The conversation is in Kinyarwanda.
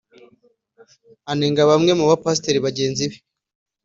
Anenga bamwe mu bapasiteri bagenzi be